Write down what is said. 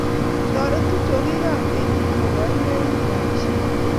toretuu chokikab kertii kokoine emee rupishek